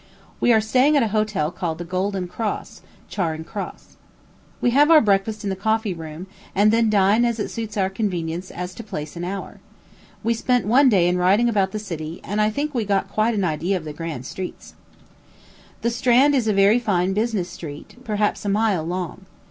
We are staying at a hotel called the Golden Cross, Charing Cross. We have our breakfast in the coffee room, and then dine as it suits our convenience as to place and hour. We spent one day in riding about the city, and I think we got quite an idea of the great streets. The Strand is a very fine business street, perhaps a mile long.